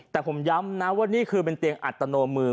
แต่ผมย้ำนะว่านี่คือเป็นเตียงอัตโนมือ